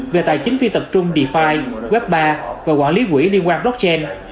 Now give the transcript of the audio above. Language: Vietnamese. về tài chính phi tập trung defy web ba và quản lý quỹ liên quan blockchain